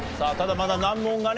まだ難問がね